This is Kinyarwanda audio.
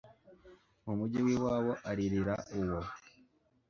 mu mugi w iwabo aririra uwo